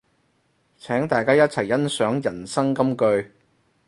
請大家一齊欣賞人生金句